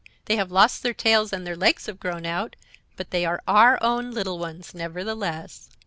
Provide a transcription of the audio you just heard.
They have lost their tails and their legs have grown out, but they are our own little ones, nevertheless!'